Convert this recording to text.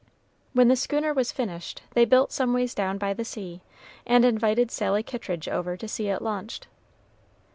When the schooner was finished, they built some ways down by the sea, and invited Sally Kittridge over to see it launched.